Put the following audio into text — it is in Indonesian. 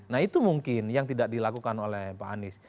nah itu mungkin yang tidak dilakukan oleh pak anies